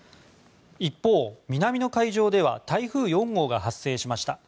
一方、南の海上では台風４号が発生しました。